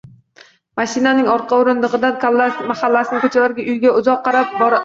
Mashinaning orqa o`rindig`idan mahallasining ko`chalariga, uyiga uzoq qarab qoldi